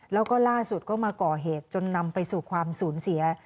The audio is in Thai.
แล้วก็ล่าสุดก็มาก่อเหตุจนนำไปสู่ความสูญเสีย